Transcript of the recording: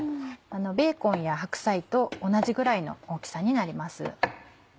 ベーコンや白菜と同じぐらいの大きさになります。